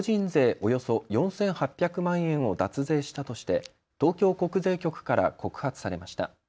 およそ４８００万円を脱税したとして東京国税局から告発されました。